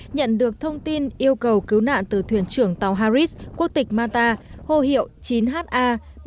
nhận được thông tin yêu cầu cứu nạn từ thuyền trưởng tàu harris quốc tịch mata hồ hiệu chín ha ba nghìn chín trăm chín mươi một